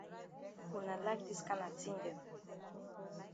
Wuna like dis kana tin dem.